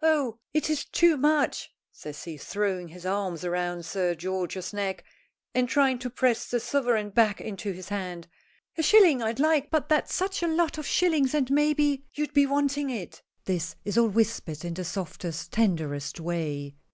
"Oh, it is too much," says he, throwing his arms round Sir George's neck and trying to press the sovereign back into his hand. "A shilling I'd like, but that's such a lot of shillings, and maybe you'd be wanting it." This is all whispered in the softest, tenderest way.